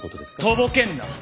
とぼけんな！